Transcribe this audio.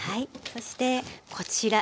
そしてこちら